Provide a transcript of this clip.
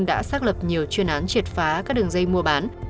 đã xác lập nhiều chuyên án triệt phá các đường dây mua bán